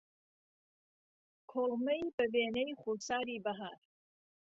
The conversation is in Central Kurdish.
کوڵمەی به وێنەی خوساری بههار